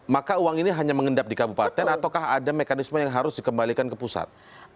maka uang ini hanya mengendap di kabupaten ataukah ada mekanisme yang harus dikembalikan ke pusat